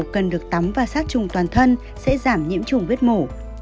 cần được tắm và sát trùng toàn thân sẽ giảm nhiễm trùng vết mổ